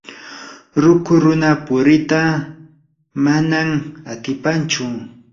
ruku runa purita manam atipanchu.